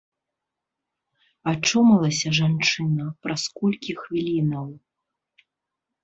Ачомалася жанчына праз колькі хвілінаў.